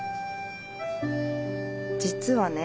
実はね